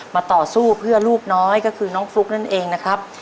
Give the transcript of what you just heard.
ต่อสู้เพื่อลูกน้อยก็คือน้องฟลุ๊กนั่นเองนะครับ